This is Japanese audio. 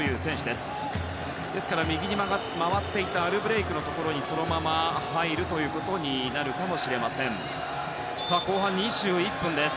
ですから、右に回っていたアルブレイクのところにそのまま入るということになるかもしれません。